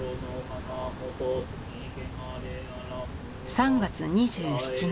３月２７日。